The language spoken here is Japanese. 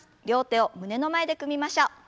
両手を胸の前で組みましょう。